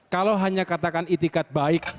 kalau hanya katakan itikat baik